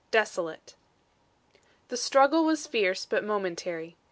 XL. DESOLATE The struggle was fierce but momentary.